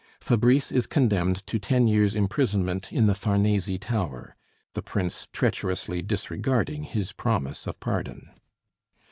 Fabrice is condemned to ten years' imprisonment in the Farnese tower, the Prince treacherously disregarding his promise of pardon.